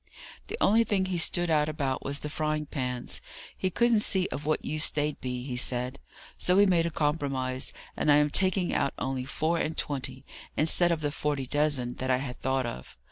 The only thing he stood out about was the frying pans. He couldn't see of what use they'd be, he said. So we made a compromise, and I am taking out only four and twenty, instead of the forty dozen that I had thought of.